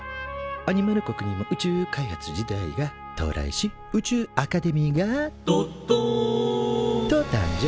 アニマル国にも宇宙開発時代が到来し宇宙アカデミーが「どっどん」と誕生。